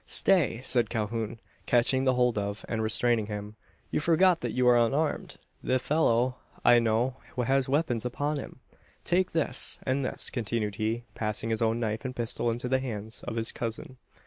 "Stay!" said Calhoun, catching hold of, and restraining him. "You forget that you are unarmed! The fellow, I know, has weapons upon him. Take this, and this," continued he, passing his own knife and pistol into the hands of his cousin.